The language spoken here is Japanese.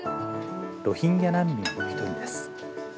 ロヒンギャ難民の一人です。